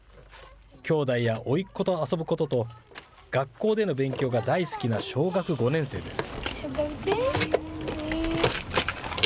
兄弟やおいっ子と遊ぶことと、学校での勉強が大好きな小学５年生です。